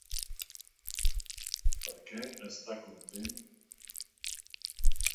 Per què està content?